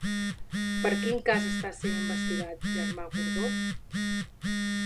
Per quin cas està sent investigat Germà Gordó?